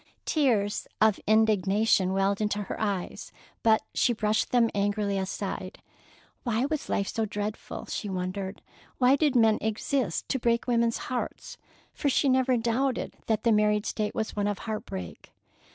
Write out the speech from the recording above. Tears of indignation welled into her eyes, but she brushed them angrily aside. Why was life so dreadful, she wondered. Why did men exist to break women's hearts?—for she never doubted that the married state was one of heart break.